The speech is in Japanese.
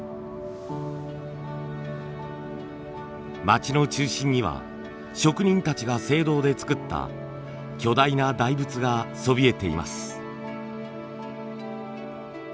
町の中心には職人たちが青銅で作った巨大な大仏がそびえています。